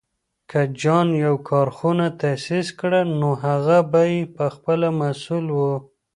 که جان يو کارخونه تاسيس کړه، نو هغه به یې پهخپله مسوول و.